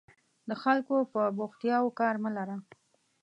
د خلکو په بوختیاوو کار مه لره.